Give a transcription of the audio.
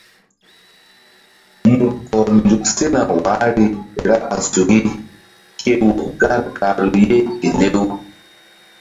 Mu kɔr nzuk sena wahri ra ɓa suki ke wɔk gar gahru ye ke lew.